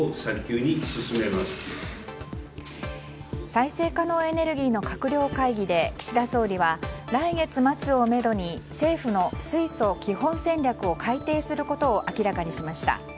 再生可能エネルギーの閣僚会議で、岸田総理は来月末をめどに政府の水素基本戦略を改定することを明らかにしました。